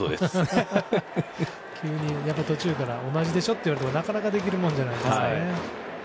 急に途中から同じでしょ？といわれてもなかなかできるもんじゃないですよね。